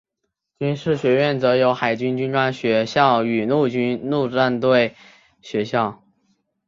军事学校则有海军军官学校与海军陆战队学校。